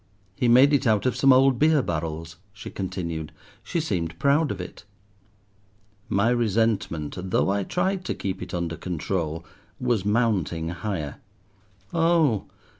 "He made it out of some old beer barrels," she continued; she seemed proud of it. My resentment, though I tried to keep it under control, was mounting higher. "Oh!